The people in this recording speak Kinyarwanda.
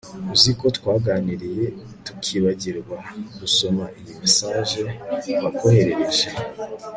uziko twaganiriye tukibagirwa gusoma iyi message bakoherereje